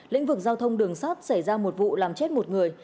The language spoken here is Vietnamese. lĩnh vực giao thông đường sắt xảy ra một vụ làm chết một người